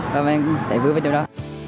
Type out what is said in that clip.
và mình chạy vui vào chỗ đó